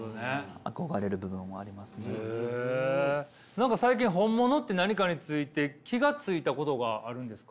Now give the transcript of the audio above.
何か最近本物って何かについて気が付いたことがあるんですか？